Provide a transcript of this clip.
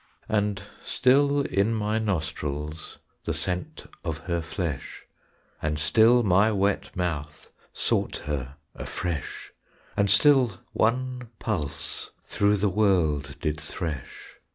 And still in my nostrils The scent of her flesh, And still my wet mouth Sought her afresh; And still one pulse Through the world did thresh.